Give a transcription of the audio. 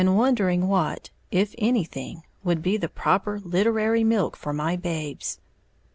[Illustration: "I sat wondering what if anything would be the proper literary milk for my babes."